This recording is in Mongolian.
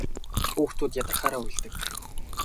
Хүүхдүүд ядрахлаараа уйлдаг.